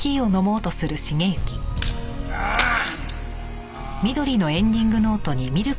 ああっ。